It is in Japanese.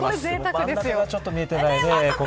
真ん中がちょっと見えてないね。